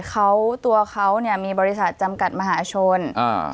เขาตัวเขาเนี่ยมีบริษัทจำกัดมหาชนอ่า